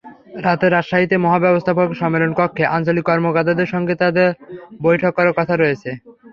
রাতে রাজশাহীতে মহাব্যবস্থাপকের সম্মেলনকক্ষে আঞ্চলিক কর্মকর্তাদের সঙ্গে তাঁর বৈঠক করার কথা রয়েছে।